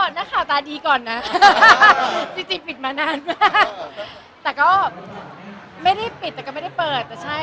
ยากลับมาเริ่มร็อกนี้เพื่อบอกข่าวดีแปนใช่มั้ย